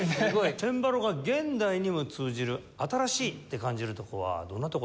チェンバロが現代にも通じる新しいって感じるとこはどんなとこでしょうかね？